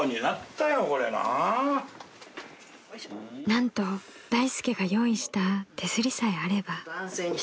［何と大助が用意した手すりさえあれば］